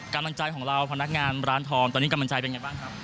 กำลังใจของเราพนักงานร้านทองตอนนี้กำลังใจเป็นไงบ้างครับ